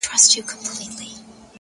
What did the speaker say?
• په څه لږو الوتو سو په ځان ستړی ,